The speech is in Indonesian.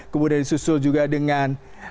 kemudian disusul juga dengan